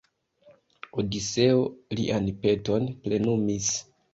Odiseo lian peton plenumis.